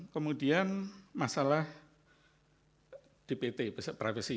kemudian masalah dpt privacy